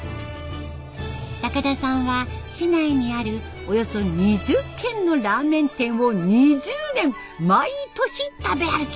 高田さんは市内にあるおよそ２０軒のラーメン店を２０年毎年食べ歩き